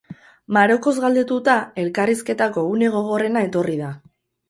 Marokoz galdetuta, elkarrizketako une gogorrena etorri da.